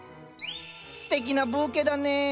すてきなブーケだね。